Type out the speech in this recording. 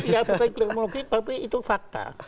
ya bukan kliminologi tapi itu fakta